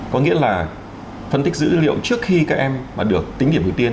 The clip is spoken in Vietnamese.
có nghĩa là phân tích dữ liệu trước khi các em mà được tính điểm ưu tiên